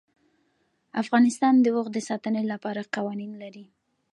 افغانستان د اوښ د ساتنې لپاره قوانین لري.